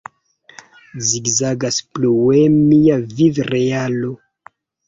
Zigzagas plue mia viv-realo...